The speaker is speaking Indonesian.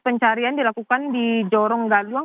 pencarian dilakukan di jorong dagung